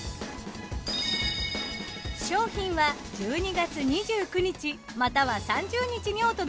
商品は１２月２９日又は３０日にお届けします。